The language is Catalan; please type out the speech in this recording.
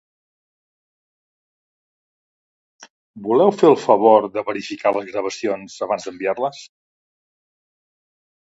Voleu fer el favor de verificar les gravacions abans d'enviar-les?